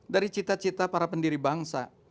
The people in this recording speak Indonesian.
dari cita cita para pendiri bangsa